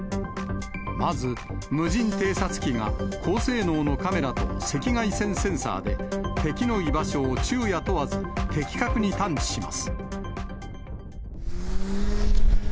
まず、無人偵察機が高性能のカメラと赤外線センサーで、敵の居場所を昼夜問わず的確に探知します。